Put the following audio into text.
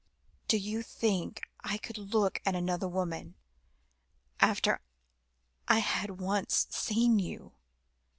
"Do you think I could look at another woman, after I had once seen you?"